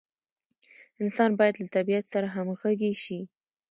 انسان باید له طبیعت سره همغږي شي.